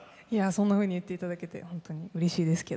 そんなふうに言って頂けて本当にうれしいですけども。